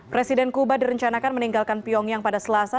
presiden kuba direncanakan meninggalkan pyongyang pada selasa